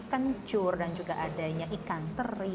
kencur dan juga adanya ikan teri